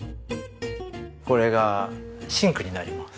これがシンクになります。